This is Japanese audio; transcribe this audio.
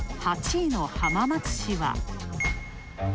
８位の浜松市は。